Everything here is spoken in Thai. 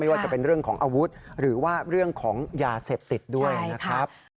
ว่าจะเป็นเรื่องของอาวุธหรือว่าเรื่องของยาเสพติดด้วยนะครับ